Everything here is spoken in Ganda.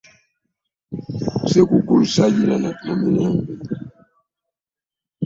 Ssekukkulu ssaagirya mu mirembe.